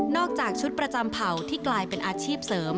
จากชุดประจำเผ่าที่กลายเป็นอาชีพเสริม